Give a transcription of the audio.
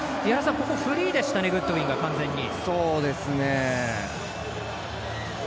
フリーでしたねグッドウィンが完全に。